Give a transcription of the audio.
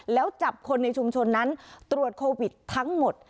แล้วจับคนในชุมชนนั้นตรวจโควิดทั้งหมด